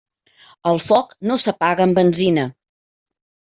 El foc no s'apaga amb benzina.